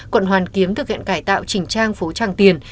quận hoàn kiếm thực hiện cải tạo trình trang phố trang tiền